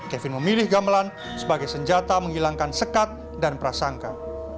kevin memilih gamelan sebagai senjata menghilangkan sekat dan prasangka